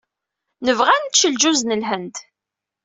Nebɣa ad nečč lǧuz n Lhend.